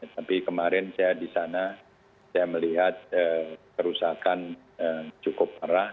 tapi kemarin saya di sana saya melihat kerusakan cukup parah